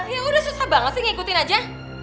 ya udah susah banget sih ngikutin aja